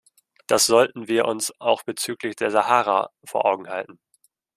Das sollten wir uns auch bezüglich der Sahara vor Augen halten.